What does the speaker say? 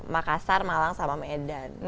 makassar malang sama medan